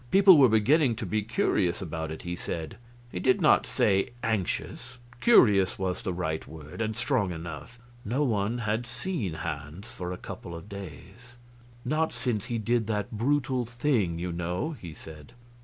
People were beginning to be curious about it, he said. He did not say anxious curious was the right word, and strong enough. No one had seen Hans for a couple of days. "Not since he did that brutal thing, you know," he said.